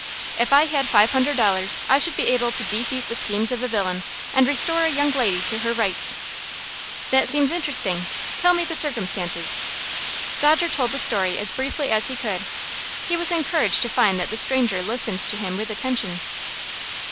"If I had five hundred dollars, I should be able to defeat the schemes of a villain, and restore a young lady to her rights." "That seems interesting. Tell me the circumstances." Dodger told the story as briefly as he could. He was encouraged to find that the stranger listened to him with attention.